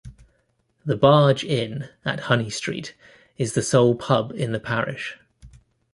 The Barge Inn at Honeystreet is the sole pub in the parish.